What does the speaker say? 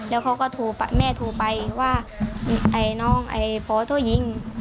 แล้วแม่โทรไปว่าน้องพ่อโทรยิง